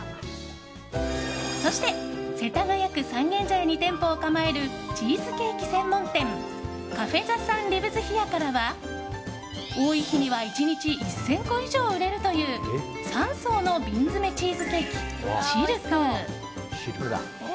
そして、世田谷区三軒茶屋に店舗を構えるチーズケーキ専門店ｃａｆｅＴｈｅＳＵＮＬＩＶＥＳＨＩＲＥからは多い日には１日１０００個以上売れるという３層の瓶詰めチーズケーキＣＨＩＬＫ。